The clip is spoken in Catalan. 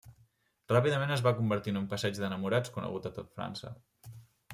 Ràpidament es va convertir en un passeig d'enamorats conegut a tot França.